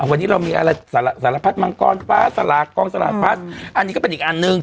วันนี้เรามีอะไรกองสลากพัดอันนี้ก็เป็นอีกอันหนึ่ง